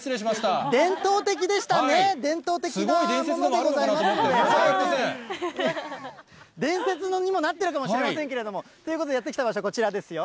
伝統的でしたね、伝統的なもすごい伝説でもあるのかなと伝説にもなってるかもしれませんけども、ということで、やって来た場所、こちらですよ。